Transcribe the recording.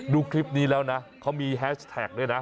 ดูคลิปนี้แล้วนะเขามีแฮชแท็กด้วยนะ